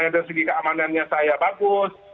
dari segi keamanannya saya bagus